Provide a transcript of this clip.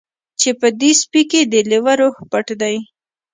چې په دې سپي کې د لیوه روح پټ دی